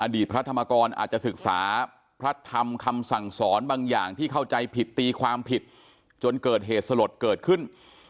พระธรรมกรอาจจะศึกษาพระธรรมคำสั่งสอนบางอย่างที่เข้าใจผิดตีความผิดจนเกิดเหตุสลดเกิดขึ้น